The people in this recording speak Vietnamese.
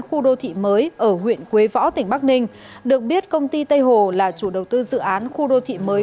khu đô thị mới ở huyện quế võ tỉnh bắc ninh được biết công ty tây hồ là chủ đầu tư dự án khu đô thị mới